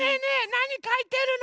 なにかいてるの？